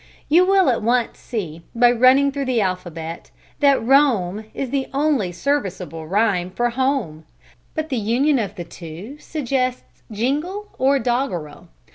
You will at once see, by running through the alphabet, that "roam" is the only serviceable rhyme for "home," but the union of the two suggests jingle or doggerel.